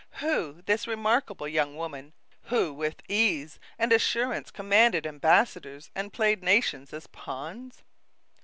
Who, this remarkable young woman who with ease and assurance commanded ambassadors and played nations as pawns?